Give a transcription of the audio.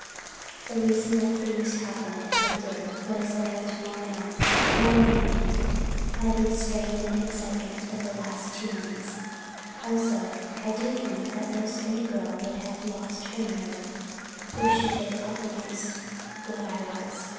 The reason that things happened as they did was that I was worn out—more than I knew—by the strain and excitement of the last two months. Also I do think that most any girl would have lost her nerve if she'd been up against what I was.